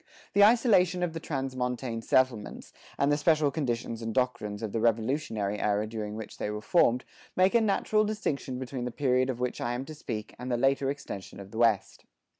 The isolation of the transmontane settlements, and the special conditions and doctrines of the Revolutionary era during which they were formed, make a natural distinction between the period of which I am to speak and the later extension of the West.